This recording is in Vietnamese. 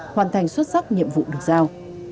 hoàn thành xuất sắc nhiệm vụ được giao